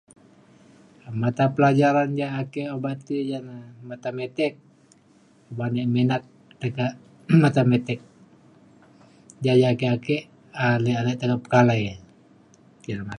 matapelajaran ja ake obak ti ja na matematik uban e minat ai kak matematik. ja yak ake ake ale ale pekalai e. [unintelligible]